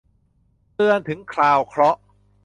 เตือนถึงคราวเคราะห์